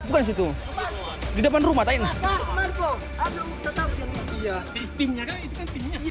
bukan disitu di depan rumah